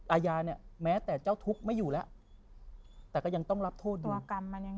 อาญาเนี่ยแม้แต่เจ้าทุกข์ไม่อยู่แล้วแต่ก็ยังต้องรับโทษอยู่ตัวกรรมมันยัง